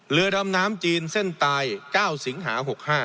เรือดำน้ำจีนเส้นตาย๙สิงหา๖๕